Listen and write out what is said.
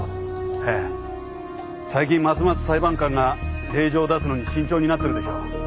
ええ最近ますます裁判官が令状を出すのに慎重になってるでしょ。